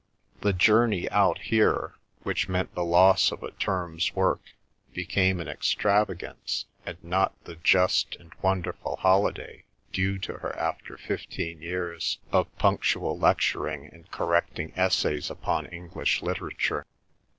The journey out here, which meant the loss of a term's work, became an extravagance and not the just and wonderful holiday due to her after fifteen years of punctual lecturing and correcting essays upon English literature.